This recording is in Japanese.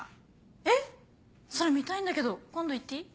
えっそれ見たいんだけど今度行っていい？